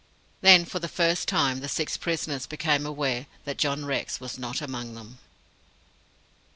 Then, for the first time, the six prisoners became aware that John Rex was not among them.